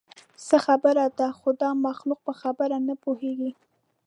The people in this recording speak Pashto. څه خبره ده؟ خو دا مخلوق په خبره نه پوهېږي.